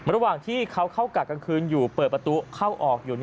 ระหว่างที่เขาเข้ากะกลางคืนอยู่เปิดประตูเข้าออกอยู่